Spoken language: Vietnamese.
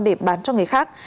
để bán cho người khác